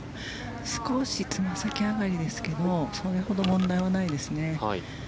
少しつま先上がりですけどもそれほど問題はないですね。